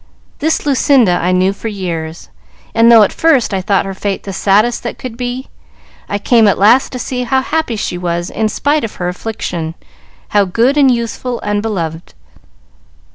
This Lucinda I knew for years, and though at first I thought her fate the saddest that could be, I came at last to see how happy she was in spite of her affliction, how good and useful and beloved."